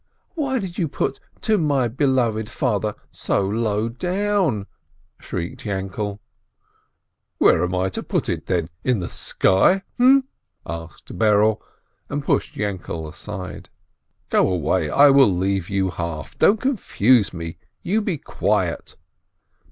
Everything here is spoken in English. Why did you put 'to my beloved Father' so low down?" shrieked Yainkele. "Where am I to put it, then ? In the sky, eh ?" asked Berele, and pushed Yainkele aside. "Go away, I will leave you half. Don't confuse me !— You be quiet!"